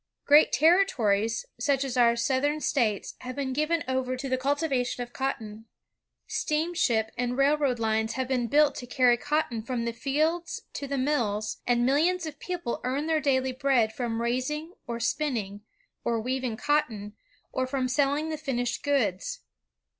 Great ter ritories, such as our South era States, have been given over to the cultivation of cotton. Steamship and railroad lines have been built to cany cotton from the gelds to the mills; and millions of people earn their daily bread from raising, or spinning, or weaving cottcgi, or from selling the finished goods.